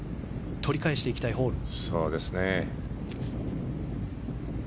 取り返していきたいホール。